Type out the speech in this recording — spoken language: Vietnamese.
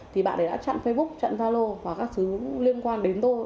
thì bạn ấy đã chặn facebook chặn zalo và các thứ liên quan đến tôi